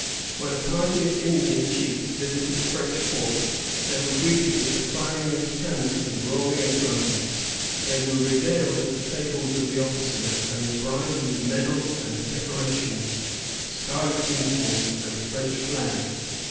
When a party of Indian chiefs visited a French fort, they were greeted with the firing of cannon and rolling of drums; they were regaled at the tables of the officers, and bribed with medals and decorations, scarlet uniforms and French flags.